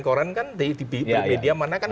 koran kan di media mana kan